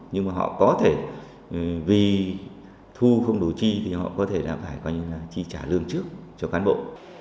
nhưng họ có thể vì thu không đủ chi thì họ có thể phải chi trả lương trước cho quán bộ